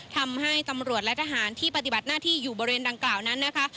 ทำให้ตำรวจและทหารที่ปฏิบัติหน้าที่อยู่บริเวณดังกล่าวนั้นนะคะ